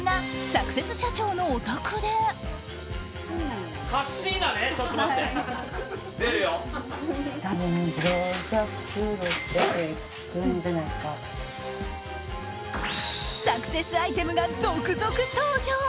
サクセスアイテムが続々登場。